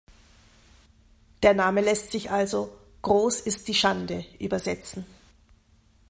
Der Name lässt sich also „Groß ist die Schande“ übersetzen.